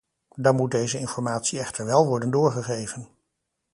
Dan moet deze informatie echter wel worden doorgegeven.